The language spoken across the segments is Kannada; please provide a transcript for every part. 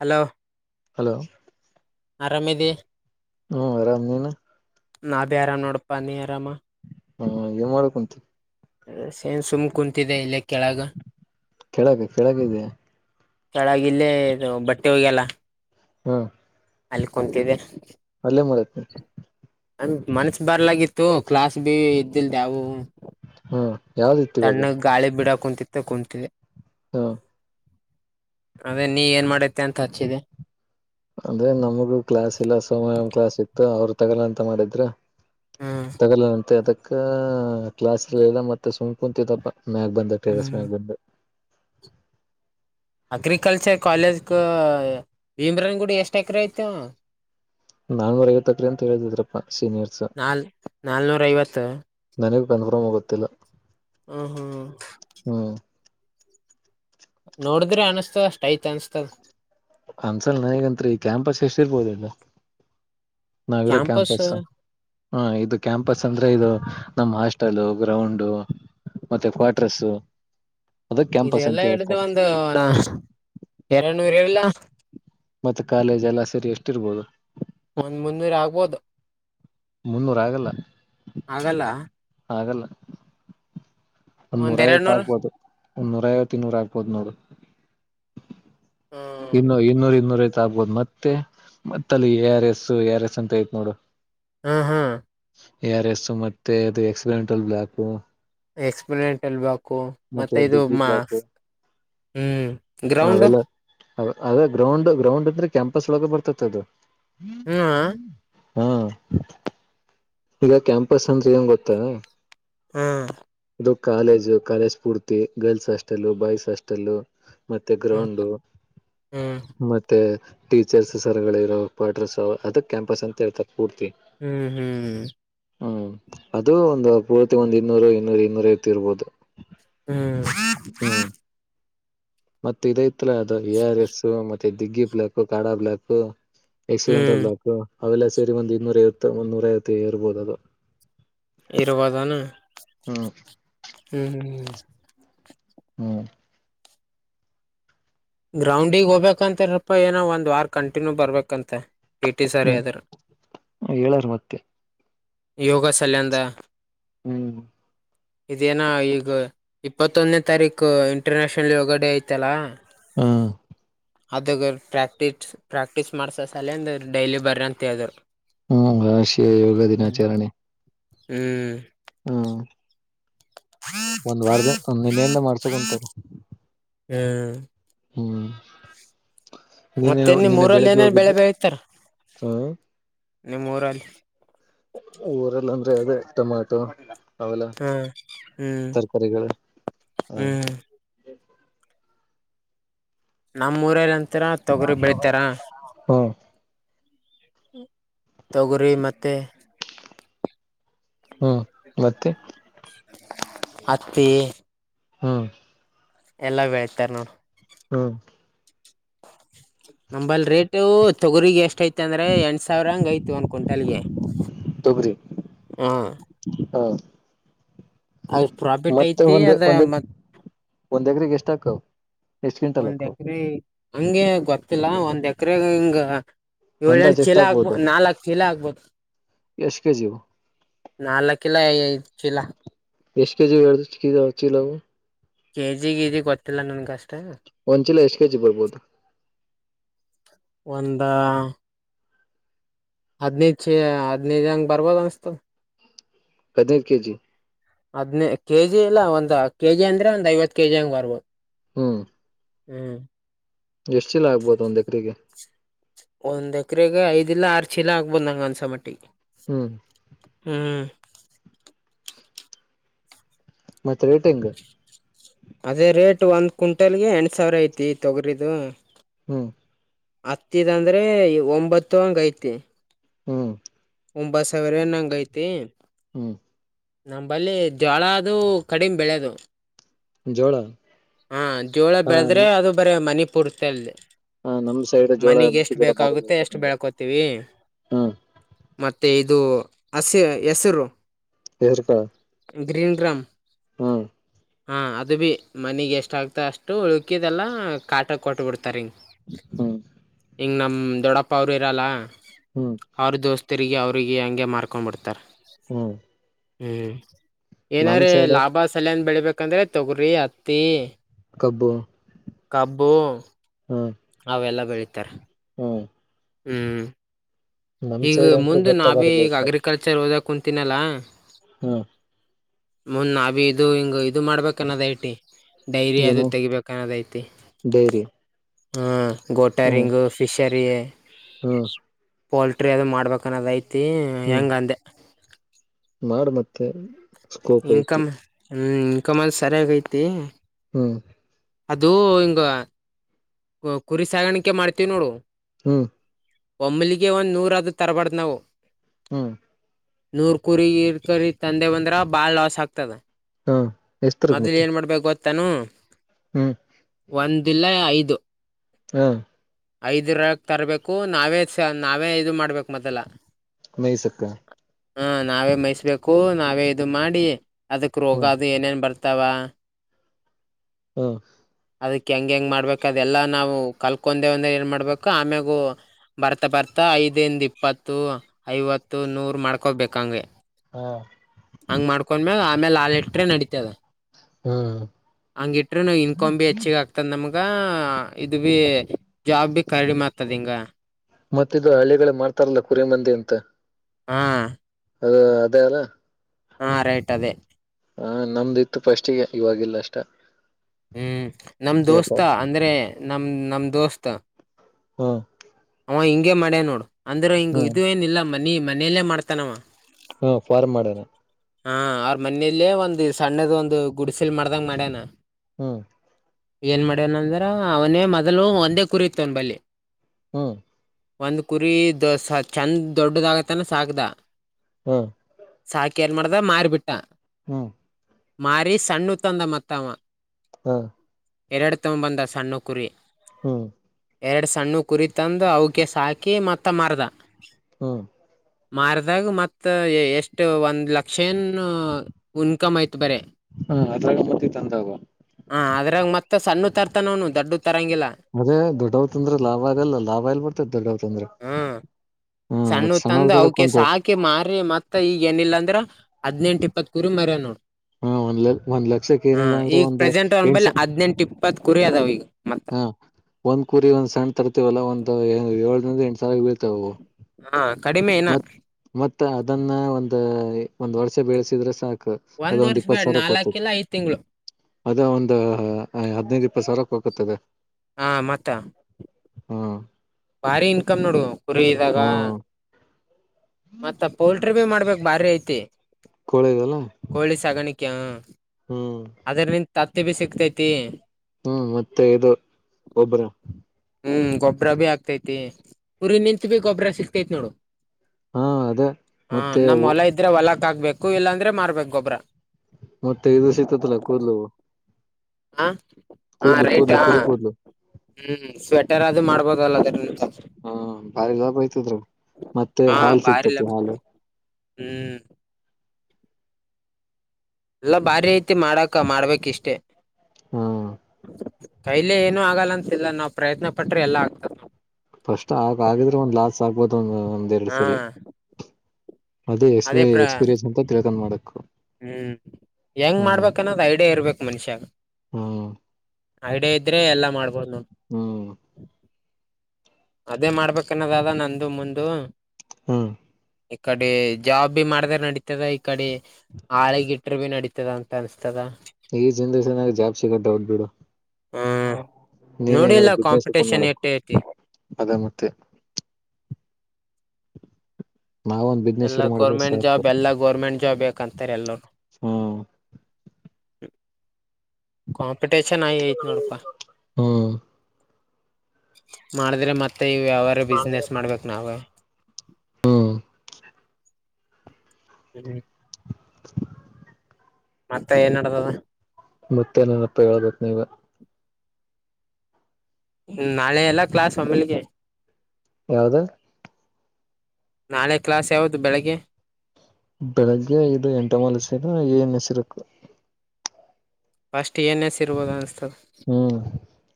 ಹಲೋ ಹಲೋ ಆರಾಮದ ಹ್ಮ್ ಆರಾಮ ನೀಿನ ನಾವ್ದ ಯಾರ ನೋಡಪ್ಪಾ ನೀ ಆರಾಮ ಹಾ ಏನ್ ಮಾಡ್ಕ್ಂಂತು ಸೇನ್ ಸುಮ್ ಕುಂತಿದೆ ಇಲ್ಲ ಕೆಳಗೆ ಕೆಳಗೆ ಇದ ಕೆಳಾಗಿಲ್ಲೇ ಇದು ಬಟ್ಟೆ ಹೋಗ್ಯಲ್ಲ ಹ್ಮ ಅಲ್ಕೊಂತಿದ್ದೆ ಅಲ್ಲೇ ಮಾಡತ್ನಿ ಹ ಮನ್ಸ ಬರ್ಲಾಗಿತ್ತು ಕ್ಲಾಸ್ ಬಿ ಇದ್ದಿಲ್ದ್ಯಾವು ಹ್ಮ ತಣ್ಣ ಗಾಳಿ ಬಿಡ ಕುಂತ ತಗೊಂತೀವಿ ಹಾ ಅದೇ ನೀ ಏನ್ ಮಾಡತ್ತೆ ಅಂತ ಹಚ್ಚಿದೆೆ ಅಂದ್ರೆ ನಮಗೂ ಕ್ಲಾಸ್ ಇಲ್ಲ ಸೋಮ ಕ್ಲಾಸ್ ಇತ್ತು ಅವ್ರ ತಗೋಲ್ಲ ಅಂತ ಮಾಡಿದ್ರ ಹ್ಮ್ ತಗಲಂತೆ ಅದಕ್ಕೆ ಕ್ಲಾಸ್ಲ್ಲಲ್ಲ ಮತ್ತೆ ಸುಂಪು ಕುಂತಿದಪ್ಪ ಮ್ಯಾಾಗ ಬಂದ ಟೇರಸ್ ಹ್ಮ್ ಮ್ಯಾಗ ಬಂದು ಅಗ್ರಿಕಲ್ಚರ್ ಕಾಲೇಜ್ ಭೀಮ್ರನ್ ಗೂಡಿ ಎಷ್ಟು ಎಕರೆ ಆಯ್ತು ನಾನ್ ಹೊರಗತಕ್ರಿ ಅಂತ ಹೇಳಿದಿದ್ರಪ್ಪ ಸೀನಿಯರ್ಸ್ ನಾಲ್ ನಾಲ್ನೂರ ಐವತ್ತು ನನಗ ಬಂದ್ ಕೂಮ ಗೊತ್ತಿಲ್ಲ ಹ್ಮ ಹ್ಮ ನೋಡಿದ್ರೆ ಅನ್ಸ್ತವ ಅಷ್ಟ ಯ್ತ್ ಅನ್ಸ್ತದ ಅನ್ಸಲ್ ನ ಈೇಗಂತ್ರಿ ಈ ಕ್ಯಾಂಪಸ್ ಎಷ್ಟಿರ್ಬೋದಲ್ಲ ನಗರ ಕ್ಯಾಂಪಸ್ ಹಾ ಇದು ಕ್ಯಾಂಪಸ್ ಅಂದ್ರೆ ಇದು ನಮ್ಮ್ ಹಾಸ್ಟೆಲ್ ಗ್ರೌಂಡು ಮತ್ತೆ ಕ್ವಾರ್ಟರ್ಸ ಇದೆಲ್ಲಾ ಹಿಡ್ದು ಒಂದು ಎರನೂರು ಇಲ್ಲ ಆಾ ಮತ್ತೆ ಕಾಲೇಜ್ ಎಲ್ಲ ಸೇರಿ ಎಷ್ಟಿರ್ಬೋದು ಮುಂದ್ ಮುಂದೂರ್ ಆಗ್ಬೋದು ಮುನ್ನೂರ ಆಗಲ್ಲ ಆಗಲ್ಲ ಹಾಗಲ್ಲ ಒಂದ ಒಂದ್ ನೂರ ಎರಡ್ ಐವತ್ತು ನೂರು ಆಗ್ಬೋದು ಉನ್ನೂರ ಐವತ್ತ ಇನ್ನೂರ ಅಪ್ಪದ ನೋಡು ಇನ್ನುೂ ಇನ್ನೂರ್ ಇನ್ನೂರ್ ಐತ ಆಗ್ಬೋದು ಮತ್ತೆ ಮತ್ತಲ್ಲಿ A R S A R S ಅಂತ ಐತ್ ನೋಡು ಹ್ಮ್ ಹ್ಮ್ ಎ ಆರ್ ಎಸ್ ಮತ್ತೆ ಅದು ಎಕ್ಸ್ಪಿಮೆಂಟಲ್ ಬ್ಲಾಕ್ು ಎಕ್ಸ್ಪಿೆಂಟ್ಲ್ ಬು ಮತ್ತೆ ಇದು ದಿಗ್ಗಿ ಮಾ ಬ್ಲಾಕ್ ಹ್ಮ ಗ್ರೌಂಡ ಅವೆಲ್ಲ ಅದ ಗ್ರೌಂಡ್ ಗ್ರೌಂಡ್ ಅಂದ್ರೆ ಕ್ಯಾಂಪಸ್ ಒಳಗ ಬರ್ತತ್ ಅದು ಹ್ಮ್ ಹಾ ಈಗ ಕ್ಯಾಂಪಸ್ ಅಂದ್ರೆ ಏನ್ ಗೊತ್ತ ಹ್ಮ್ ಇದು ಕಾಲೇಜು ಕಾಲೇಜ್ ಪೂರ್ತಿ ಗರ್ಲ್ಸ್ ಅಸ್ಟಲ್ಲ ಬಾಯ್ಸ್ ಅಸ್ಟೆಲ್ಲ ಮತ್ತೆ ಹ್ಮ್ ಗ್ರೌಂಡು ಹ್ಮ್ ಮತ್ತೆ ಟೀಚರ್ಸ್ ಸರ್ಗಳು ಇರೋ ಪಡರ್ಸ್ ಅದಕ್ಕೆ ಕ್ಯಾಂಪಸ್ ಅಂತ ಹೇಳ್ತಾರೆ ಪೂರ್ತಿ ಹ್ಮ್ ಹ್ಮ್ ಹ್ಮ್ ಹ್ಮ್ ಅದು ಒಂದು ಪೂರ್ತಿ ಒಂದ್ ಇನ್ನೂರು ಇೂರು ಇನ್ನೂರೈಐತಿ ಇರ್ಬೋದು ಹ್ಮ್ ಹ್ಮ ಮತ್ತೆ ಇದ ಮ ಅ ವಿ ಆರ್ ಎಸ್ ಮೆ ದಿಗ್ಗಿ ಪ್ಲಕ್ ಕಾಡಾ ಪ್ಲಾಕ್ು ಎಕ್ಸಿಡೆಂಟ್ ಹ್ಮ್ ಅದಕು ಅವೆಲ್ಲ ಸೇರಿ ಒಂದು ಇನ್ನೂರ ಐವತ್ತು ಮುನ್ನೂರ ಐವತ್ತ ಇರ್ಬೋದು ಅದು ಇರುವದಾನ ಹ್ಮ ಹ್ಮ್್ಮ ಹ್ಮ ಗ್ರೌಂಡಿಗೆ ಹೋಗ್ಬೇಕಂತ್ರಪ್ಪ ಏನೋ ಒಂದ್ ವಾರ ಕಂಟಿನ್ಯೂ ಬರ್ಬೇಕಂತೆ ಪಿ ಟಿ ಸರ್ ಹ್ಮ ಅದ್ರ ಹೇಳಾರ ಮತ್ತೆ ಯೋಗ ಸಲ್ಲಂದ ಹ್ಮ್ ಇದೇನ ಈಗ ಇಪ್ಪತ್ತೊಂದನೇ ತಾರೀಕು ಇಂಟರ್ನ್ಯಾಷನಲ್ ಯೋಗ ಡೇ ಐತಲ್ಲಾ ಹಾ ಅದಾಗ ಪ್ರಾಕ್ಟೀ ಪ್ರಾಕ್ಟೀಸ್ ಮಾಡಸ ಸಲಂದ ಡೈಲಿ ಬರ್ರ ಅಂತ ಹೇಳರು ಹ್ಮ್ ರಾಷ್ಟ್ರೀಯ ಯೋಗ ದಿನಾಚರಣೆ ಹ್ಮ್ ಹ್ಮ ಒಂದ್ ವಾರದ ಒಂದ್ಿನೆಯಿಂದ ಮಾಡ್ಸ ಕುೊಂತರು ಹ್ಮ್ ಹ್ಮ್ ನಿನ್ನೆ ಮತ್ತೆ ನಿಮ್ಮ್ ನಿನ್ನೆ ಊರಲ್ಲಿ ಬೆಳಿಗ್ಗೆ ಏನ ಬೆಳೆ ಹೋಗಿದ್ದು ಬೆಳತಾರ ಹ್ಮ್ ನಿಮ್ಮೂರಲ್ಲಿ ಅ ಅದೇ ಟೊಮಟೊ ಅವಲ್ಲ ಹ್ಮ್ ಹ್ಮ್ ತರಕಾರಿಗಳು ಹಾ ಹ್ಮ್ ನಮ್ಮ ಊರಲ್ಲಿ ಅಂತೂ ಹತರ ತೊಗರಿ ಬೆಳಿತಾರ ಹ್ಮ್ ತೊಗರಿ ಮತ್ತೆ ಹ್ಮ್ ಮತ್ತೆ ಹತ್ತಿ ಹ್ಮ ಎಲ್ಲಾ ಬೆಳ್ತಾರ ನೋಡ್ ಹ್ಮ ನಂಬಲ್ಲಿ ರೇಟು ತೊಗರಿಗೆ ಎಷ್ಟಯ್ತ ತ್ತ ಅಂದ್ರೆ ಎಂಟ ಸಾವಿರ ಹಂಗ ಐತ ಒಂದ ಕ್ವಿಂಟಲ್ಗೆ ತೊಗ್ರಿ ಹಾ ಹ ಮತ್ತೆ ಐತಿ ಒಂದೆ ಅದ ಒಂದ ಮತ್ ಒಂದೆಕ್ರಗ್ ಎಷ್ಟ ಹಾಕವ್ ಎಷ್ಟ್ ಗಿಂಟಲ್ ಒಂದ್ ಹಾಕವ ಎಕರೆ ಹಂಗೆ ಗೊತ್ತಿಲ್ಲ ಒಂದ್ ಎಕರೆ ಹಿಂಗ ಏಳು ಎಂಟು ಅಂದಾಜ್ ಎಷ್ಟ ಚೀಲ ಆಗ್ಬೋ ಆಗ್ಬೋದು ನಾಲ್ಕ ಚೀಲ ಆಗ್ಬೋದು ಎಷ್ಟ್ ಕೆಜಿವು ನಾಲ್ಕ ಎಲ್ಲ ಚೀಲ ಎಷ್ಟ್ ಕೆ ಜಿ ಅವು ಚೀಲ ಅದು ಕೆಜಿ ಇದಿ ಗೊತ್ತಿಲ್ಲ ನನ್ಗ ಅಷ್ಟ ಒಂದು ಚಿಲ್ಲ ಎಷ್ಟು ಕೆಜಿ ಬರ್ಬೋದು ಒಂದ ಹದಿನೈದು ಹದಿನೈದು ಚೀಲ ಹಾಗೆ ಬರ್ಬೋದ ಅನ್ಸ್ತ ಹದಿನೈದು ಕೆಜಿ ಹದ್ನೇ ಕೆಜಿ ಇಲ್ಲ ಒಂದ ಕೆಜಿ ಅಂದ್ರೆ ಒಂದ್ ಐವತ್ ಕೆಜಿ ಹಂಗ್ ಬರ್ಬೋದು ಹ್ಮ್ ಹ್ಮ್ ಎಷ್ಟು ಚೀಲ ಆಗ್ಬೋದು ಒಂದ್ ಎಕ್ರಿಗೆ ಒಂದು ಎಕರೆೆಗೆ ಐದ ಇಲ್ಲ ಆರು ಚೀಲ ಆಗ್ಬೋಂದ ನಂಗೆ ಅನ್ನಿಸೋ ಮಟ್ಟಿಗೆ ಹ್ಮ್ ಹ್ಮ್ ಹ್ಮ್ ಮತ್ ರೇಟಿಂಗ್ ಅದೇ ರೇಟ್ ಒಂದ್ ಕ್ವಿಂಟಲ್ಗೆ ಎಂಟು ಸಾವಿರ ಐತಿ ತೊಗರಿದು ಹ್ಮ್ ಹತ್ತಿದಂದ್ರೆ ಒಂಬತ್ತು ಹಂಗ ಐತಿ ಹ್ಮ್ ಒಂಬತ್ ಸಾವಿರ ಏನ್ ಹಂಗ್ ಐತಿ ಹ್ಮ್ ನಮ್ಮಂಬಲ್ಲಿ ಜೋಳ ಅದು ಕಡಿಮೆ ಬೆಳೆದು ಜೋಳ ಹಾ ಜೋಳ ಬೆಳೆದ್ರೆ ಅದು ಬರೀ ಮನಿ ಪುರ್ತಲ್ ಹಾ ನಮ ಸೈಡ್ ಜೋಳ ಮೆಕ್ಕ ಜೋಳ ಬಾರಿ ಬೀಳ್ತಾರೆ ಎಷ್ಟು ನೋಡಿ ಬೆಳ್ಕೋತೀವಿ ಹ್ಮ ಅದು ಹಸ ಹೆಸರು ಎರ್ಕಾ ಗ್ರೀನ್ ಗ್ರಾಮ್ ಹ್ಮ್ ಹಾ ಅದು ಭೀ ಮನೆಗ್ ಎಷ್ಟಾಗಗ್ತ ಅಷ್ಟು ಉಳಕಿದೆಲ್ಲ ಕಾಟಕ್ಕೆ ಕೊಟ್ಟ ಬಿಡ್ತಾರೆ ಹಿಂಗೆ ಹ್ಮ ನಮ್ ದೊಡ್ಡಪ್ಪ ಅವ್ರು ಇರಲ್ಲ ಹ್ಮ್ ಅವ್ರ ದೋಸ್ತರಿಗೆ ಅವ್ರರಿಗೆ ಹಂಗೆ ಮಾರ್ಕೊಂಡ್ಬಿಡ್ತಾರೆ ಹ್ಮ್ ಹ್ಮ್ ನಮ್ ಏನ್ರೆ ಸೈಡ್ ಲಾಭ ಸಲಯನ್ ಬೆಳಿಬೇಕಂದ್ರೆ ತಗರಿ ಹತ್ತಿ ಕಬ್ಬು ಕಬ್ಬು ಹ್ಮ ಅವೆಲ್ಲಾ ಬೆಳೀತಾರೆ ಹ್ಮ ಹ್ಮ್ ಈಗ ಸೈಡ್ ಅಂತೂ ಮುಂದ ನಾ ಗೊತ್ತವಾರ ಭೀ ಈಗ ಬೆಳ್ತಾರೆ ಅಗ್ರಿಕಲ್ಚರ್ ಓದಕ್ ಕುಂತೀನಲ್ಲ ಹ್ಮ್ ಮುನ್ ನಾ ಬಿ ಇದು ಹಿಂಗ ಇ ಅದು ಮಾಡ್ಬೇಕ ಅನ್ನೋದ್ ಐತಿ ಡೈರಿ ಅದು ಏನು ತೆಗಿಬೇಕ ಅನ್ನೋದ್ ಐತಿ ಡೈರಿ ಹ್ಮ್ ಗೋಟರಿಂಗ್ ಫಿಶ್ ಕಾರಿಯ ಹ್ಮ ಪೋಲ್ಟ್ರಿ ಅದು ಮಾಡ್ಬೇಕ ಅದ ಐತ್ ತ್ತಿ ಯಂಗ ಅಂದೆ ಮಾಡಾ ಮತ್ತೆ ಸ್ಕೋಪ್ ಐತಿ ಹ್ಞ ಇಂನ್ಕ ಮಲ್ಲಿ ಸರಿಯಾಗಿೈತೆ ಹ್ಮ ಅದು ಹಿಂಗ ಕುರಿ ಸಾಗಾಣಿಕೆ ಮಾಡ್ತೀವಿ ನೋಡು ಹ್ಮ ಒಂಬಲಿಗೆ ಒಂದ್ ನೂರದು ತರಬಾರಡ್ದ್ ನಾವು ಹ್ಮ್ ನೂರ್ ಕುರಿ ಇರ್ತರಿ ತಂದೆ ಬಂದ್ರ ಬಾಳ ಲಾಸ್ ಆಗ್ತದ ಹ್ಮ ಮೊದಲ್ ಏನ್ ಮಾಡ್ಬೇಕು ಗೊತ್ತ ತನ್ನುೂ ಹ್ಮ್ ಒಂದಿಲ್ಲ ಐದು [inaudible] ಹಾ ಐದ ರಾಗ ತರ್ಬೇಕು ನಾವೇ ಸ ನಾವೇ ಇದು ಮಾಡ್ಬೇಕು ಮೊದಲ್ಲ ಮೈಸಕ್ಕ ಹಾ ನಾವೇ ಮೈಸ್ಬೇಕು ನಾವೇ ಇದು ಮಾಡಿೇ ಅದಕ್ ರೋಗ ಹ್ಮ್ ಅದು ಏನೇನ್ ಬರ್ತ ಅತವಾ ಹ್ಮ ಅದಕ್ಕೆ ಹೆಂಗ ಹೆಂಗ್ ಮಾಡ್ಬೇಕ ಅದೆಲ್ಲಾ ನಾವು ಕಲ್ಕೊಂದೆ ಒಂದೇ ಏನ್ ಮಾಡ್ಬೇಕು ಆಮ್ಯಾಗು ಬರ್ತಾ ಬರ್ತಾ ಐದಿಂದ ಇಪ್ಪತ್ತು ಐವತ್ತು ನೂರ್ ಮಾಡ್ಕೊಬೇಕ ಹಂಗೆ ಹ ಹಂಗ ಮಾಡ್ಕೊಂಡ್ಮ್ಯಾಗ ಆಮೇಲೆ ಹಾಾಲ ಇಟ್ರೆ ನಡತದ ಹ್ಮ್ ಹಂಗ ಇಟ್ಟ್ರ ನವು ಇನ್ಕಾ್ ಬಿ ಹೆಚ್ಚಗ ಆಗ್ತದ ನಮ್ಗ್ ಈಗ ಇದು ಬಿ ಜಾಬ್ ಬಿ ಕಡಿಮೆ ಮಾಡ್ತದ ಹಿಂಗ ಮತ್ತ ಇದು ಹಳಿಗಳ ಮಾಡ್ತಾರಲ್ಲ ಕುರಿ ಮಂದಿ ಅಂತ ಹಾ ಹ ಅದೇ ಅಲ್ಲ ಹಾ ರೈಟ್ ಅದೇ ಹಾ ನಮ್ದಿತ್ತು ಫಸ್ಟ್ಿಗೆ ಇವಾಗಿಲ್ಲ ಅಷ್ಟ ಹ್ಮ್ ನಮ ಯಪ್ಪ ದೋಸ್ತ ಅಂದ್ರೆ ನಮ್ಮ ನಮ್ಮ ದೋಸ್ತ ಹಾ ಅವ್ ಹಿಂಗೆ ಮಾಡ್ಯ ನೋಡು ಅಂದ್ರೆ ಹಿಂಗ ಹ್ಮ್ ಇದು ಏನ ಇಲ್ಲ ಮ ನೀ ಮನೆಯಲ್ಲೇ ಮಾಡ್ತಾನವ ಹಾ ಫಾರ್ಮ್ ಮಾಡಣ ಹಾ ಅವ್ರ ಮನೆಯಲ್ಲೇ ಒಂದು್ ಸಣ್ಣದ ಒಂದು ಗುಡಿಸೆಲ್ ಮಾಡ್ದಂಗ ಮಾಡ್ಯನ ಹ್ಮ್ ಏನ್ ಮಾಡ್ಯನಂದ್ರ ಅವನೇ ಮೊದಲು ಒಂದೇ ಕುರಿತ್ವನ ಬಲ್ಲಿಿ ಹ್ಮ್ ಒಂದ್ ಕುರಿ ದ ಚಂದ ದೊಡ್ಡದಾಗತ್ತನ ಸಾಕ್ದ ಹ್ಮ್ ಸಾಕ ಏನ್ ಮಾಡಿದ ಮಾರಿಬಿಟ್ಟ ಹ್ಮ್ ಮಾಾರಿ ಸಣ್ಣ ತಂದ ಮತ್ತಾವ ಹ್ಮ್ ಎರಡು ತಗೊಂಡ್ ಬಂದ ಸಣ್ಣ ಕುರಿ ಹ್ಮ್ ಎರಡು ಸಣ್ಣು ಕುರಿ ತಂದು ಅವಿಗೆ ಸಾಕಿ ಮತ್ತ ಮರದ ಹ್ಮ್ ಮಾರದಾಗ ಮತ್ತ ಎಷ್ಟು ಒಂದ ಲಕ್ಷನ್ ಇನ್ಕಮ್ ಯತು ಬರ ಹ್ಮ ಅದ್ರ ಮತ್ತೆ ತಂದಾಗುವ ಹ ಅದ್ರಾಗ ಮತ್ತೆ ಸಣ್ಣ ತರ್ಥನವ ದೊಡ್ಡ ತರಂಗಿಲ್ಲ ಅದೇ ದೊಡ್ಡವ್ ತಂದ್ರ ಲಾಭ ಆಗಲ್ಲ ಲಾಭ ಎಲ್ ಬಡ್ತೇದ ದೊಡ್ಡವ ತಂದ್ರ ಹ್ಮ ಹ್ಮ್ ಸಣ್ಣ ಮತ್ ಸಣ್ಣವ್ ತಂದು ಬರ ಅವಕ ಕುಂತು ಸಾಕಿ ಮಾರಿ ಮತ್ತ ಈಗ ಏನಿಲ್ಲ ಅಂದ್ರ ಹದ್ನೆೆಂಟು ಇಪ್ಪತ್ತು ಕುರಿ ಮರ ನೋಡ ಹ್ಮ ಒಂದ್ ಲ ಒಂದ್ ಲಕ್ಷಕ್ ಆ ಏನಿಲ್ಲ ಅಂದ್ರೆ ಈಗ ಒಂದ್ ಪ್ರೆಸೆಂಟ್ ಅವನ್ ಬಳಿ ಹದ್ಿನನೆಂಟ ಇಪ್ಪತ್ತು ಕುರ್ಯಾದವ ಈ ಹಾ ಒಂದ್ ಕುರಿ ಒಂದ್ ಸಣ್ಣ ತರ್ತವಲ್ಲ ಒಂದ್ ಏಳಂದ ಎಂಟ ಸಾವರ ತ ಹಾ ಕಡಿಮೆನ ಮ ಅದನ್ನ ಒಂದ ಒಂದ್ ವರ್ಷ ಬೆಳೆಸಿದ್ರೆ ಸಾಕ ಅದ ಒಂದ್ ವರ್ಷ ಇಪ್ಪತ್ ಬ್ಯಾಡ್ ಸಾವಿರಕ್ಕೆ ನಾಲ್ಕ ಹ್ತದೆ ಇಲ್ಲ ಐದ್ ತಿಂಗಳು ಅದ ಒಂದ್ ಹದ್ನೈದು್ ಇಪ್ಪತ್ ಸಾವಿರಕ್ಕೆ ಹಕತದ ಹಾ ಮತ್ತ ಹ್ಮ ಭಾರಿ ಇನ್ಕಮ್ ನೋಡು ಕುರಿ ಇದಾಗ ಹ್ಮ್ ಮತ್ತ ಪೋಲ್ಟ್ರಿ ಬಿ ಮಾಡ್ಬೇಕ ಬಾರ ಇಐತೆ ಕೊಳೆದಲ್ಲ ಕ ಹ್ಮ್ ತತ್ತ ಬಿ ಸಿಕ್ತೈತಿ ಹ್ಮ್ ಮತ್ತೆ ಇದು ಒಬರ ಹ್ಮ್ ಗೊಬ್ಬ್ರ ಭೀ ಆಗ್ತೈತಿ ಊರಿ ನಿಂತತ್ ಭ ಗೊಬ್ಬ್ರ ಸಿಕ್ತೈತಿ ನೋಡು ಹಾ ಅದೇ ಹಾ ಮತ್ತೆ ನಮ್ಮ್ ಹೊಲ ಇದ್ರೆ ಹೊಲ ಆಗ್ಬೇಕು ಇಲ್ಲಾಂದ್ರೆ ಮಾರ್ಬೇಕು ಗೊಬ್ಬ್ರ ಮತ್ತೆ ಇದು ಸಿಗ್ತತಿಲ್ಲ ಕೂದಲು ಹಾ ಹಾ ರೈಟ್ಾ ಕುರಿ ಕೂದ್ಲು ಹ್ಮ್ ಸ್ ಇರಾದ್ರೂ ಮಾಡಬೋದ ಅಲ್ಲದ ಹಾ ಭಾರಿ ಜಾಪ ಐ್ತದ್ರ ಮತ್ತೆ ಹಾ ಹಾಲ್ ಭಾರಿ ಸಿಗ್ತತಿ ಲಕ್ಷ ಹಾಲು ಹ್ಮ್ ಎಲ್ಲ ಬಾರಿ ಮಾಡಕ ಮಾಡ್ಬೇಕ ಇಷ್ಟೇ ಹ ಕೈಲೆ ಏನು ಆಗಲ್ಲ ಅಂತ ಇಲ್ಲ ನಾವ್ ಪ್ರಯತ್ನ ಪಟ್ರೆ ಎಲ್ಲ ಆಗ್ತದೆ ಫಸ್ಟ್ ಆಗ ಆಗಿದ್ರು ಒಂದು ಲಾಸ್ ಸಾಗಪೋತ ಒಂದು ಹಾ [unintelligible] ಅದು ಅದೇ ಪ್ರ ಎಕ್ಸ್ಪೀರಿಯನ್ಸ್ ಅಂತ ತಿಳ್ಕೊಂಡ್ ಮಾಡಕ್ [unintelligible] ಹ್ಮ್ ಹೆಂಗ್ ಮಾಡ್ಬೇಕನ್ನೋದ್ ಐಡಿಯಾ ಇರ್ಬೇಕು ಮನುಷ್ಯಾಗ ಹ್ಮ್ ಐಡಿಯ ಇದ್ರೆ ಎಲ್ಲ ಮಾಡ್ಬೋದು ನೋ ಹ್ಮ್ ಅದೇ ಮಾಡ್ಬೇಕನ್ನದ ಅದ ನಂದು ಮುಂದು ಹಾ ಈ ಕಡೆ ಜಾಬ್ ಬಿ ಮಾಡ್ದ್ರ ನಡತದ ಈ ಕಡೆ ಹಳಗಿಟ್ರ ಬಿ ನಡತದ ಅಂತ ಅನ್ಸ್ತದ ಈ ಜನ್ರೇಷನ್ ಆಗ ಜಾಬ್ ಸಿಗತ್ತ ಡೌಟ್ ಬಿಡು ಹ್ಮ ನೀನ್ ನೋಡಿಲ್ಲ ಕಾಂಪಿಟೇಷನ್ ಎಟ್ಟ ಐತಿ ಆದಮ್ಯಾತ್ತೆ ನಾವೊಂದ್ ಬಿಸ್ನೆಸ್ ಎಲ್ಲ ಶುರು ಮಾಡಿದ್ರೆ ಗೋರ್ಮೆಂಟ್ ಸಾಕು ಜಾಬ್ ಎಲ್ಲ ಗೋರ್ಮೆಂಟ್ ಜಾಬ್ ಬೇಕಂತಾರೆ ಎಲ್ಲರು ಹ್ಮ್ ಹ್ಮ ಕಾಂಪಿಟೇಷನ್ ಆಯಿ ಐತ್ ನೋಡಪಾ ಹ್ಮ್ ಮಾಡಿದ್ರೆ ಮತ್ತೆ ಮತ್ತೆ ಯಾವಾರ ಬಿಸ್ನೆಸ್ ಮಾಡ್ಬೇಕು ನಾವೇ ಹ್ಮ ಸರಿ ಬಿ [inaudible] ಮತ್ತೆ ಏನ್ಡತದ ಮತ್ತೆ ನನಪ್ಪ ಹೇಳ್ಬೇಕನ ನೀವೇ ಹ್ಮ ನಾಳೆ ಎಲ್ಲ ಕ್ಲಾಸ್ ಮಮ್ಮೇಲಿಗೆ ಯಾವ್ದ ನಾಳೆ ಕ್ಲಾಸ್ ಯಾವದು ಬೆಳಿಗ್ಗೆ ಬೆಳಗ್ಗೆ ಐದು ಎಂಟ ಮಲಸ ಏನ್ ಹೆಸಿರುಕು ಅಷ್ಟಟ್ ಏನ್ ಎಸ್ ಇಬೋದು ಅನ್ನಿಸಸ್ತದೆ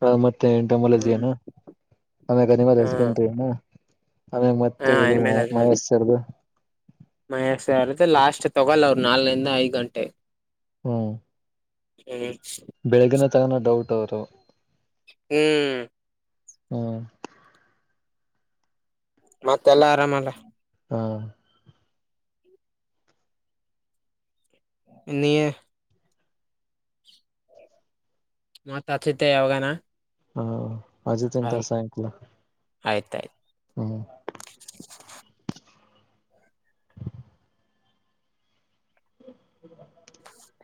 ಹ ಮತ್ತೆ ಮತ್ತೆ ಎಂಟಮ್ಮಲಜಿ ಹ್ಮ್ ನು ಆಮ್ಯಾಗ ಹನಿಮಲ್ ಹ್ಮ್ ಹಸ್ಬೆಂಡ್ ನು ಆಮ್ಯಾಗ ಹಾ ಮತ್ತೆ ಇದು ಮಹೇಶ್ರ್ದು ಮಯರುತ್ತೆ ಲಾಸ್ಟ್ ತಗೊಲ್ಲ ಅವರು ನಾಲ್ನಂದ ಐದ್ ಗಂಟೆ ಹ್ಮ ಹ್ಮ ಬೆಳಗಿನ ತಗನ ಡೌಟ್ ಅವರು ಹ್ಮ್ ಹ್ಮ ಮತ್ತೆಲ್ಲ ಎಲ್ಲಾ ಆರಾಮ ಅಲ್ಲ ಹಾ ನಿಯ ಮ ತತ್ತೆ ಯಾವಾಗಾನ ಹಾ ಅಚ್ಚು ತಿ ತ ಸಾಯಂಕಾಲ ಆಯ್ತಾಯ್ತು. ಹ್ಮ್. [inaudible] [inaudible]